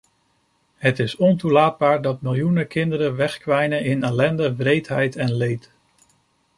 Het is ontoelaatbaar dat miljoenen kinderen wegkwijnen in ellende, wreedheid en leed.